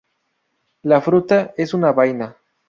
La fruta es una vaina.